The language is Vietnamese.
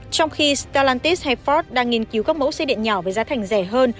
trong khi stalantis hay ford đang nghiên cứu các mẫu xe điện nhỏ với giá thành rẻ hơn